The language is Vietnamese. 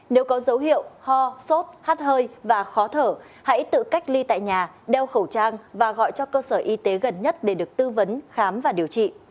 nếu có dấu hiệu ho sốt hát hơi và khó thở hãy tự cách ly tại nhà đeo khẩu trang và gọi cho cơ sở y tế gần nhất để được tư vấn khám và điều trị